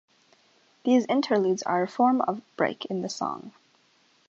These interludes are a form of break in the song.